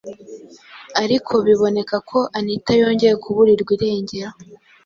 ariko biboneka ko anita yongeye kuburirwa irengero